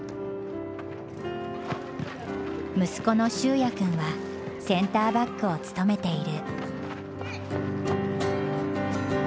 息子の修也くんはセンターバックを務めている。